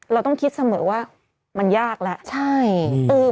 เราต้องคิดเสมอว่ามันยากแล้วใช่